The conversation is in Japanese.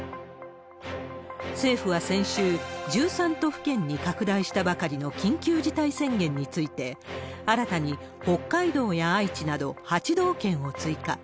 政府は先週、１３都府県に拡大したばかりの緊急事態宣言について、新たに北海道や愛知など８道県を追加。